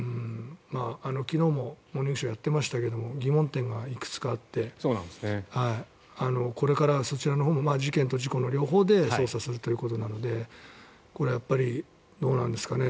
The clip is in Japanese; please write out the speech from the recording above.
昨日も「モーニングショー」でやってましたけど疑問点がいくつかあってこれからそちらのほうも事件と事故の両面で捜査するということなのでこれはやっぱりどうなんですかね。